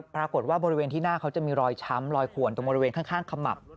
ปรากฏว่าบริเวณที่หน้าเขาจะมีรอยช้ำรอยขวนตรงบริเวณข้างขมับ